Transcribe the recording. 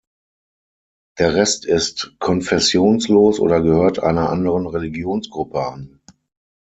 Der Rest ist konfessionslos oder gehört einer anderen Religionsgruppe an.